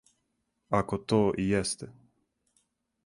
Ако то и јесте.